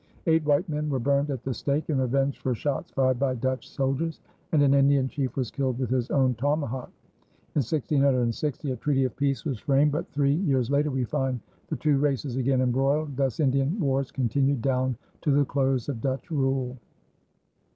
Eight white men were burned at the stake in revenge for shots fired by Dutch soldiers, and an Indian chief was killed with his own tomahawk. In 1660 a treaty of peace was framed; but three years later we find the two races again embroiled. Thus Indian wars continued down to the close of Dutch rule.